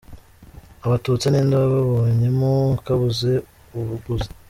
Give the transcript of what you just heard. Abatutsi ni nde wababonyemo akabuze ubuguzi ?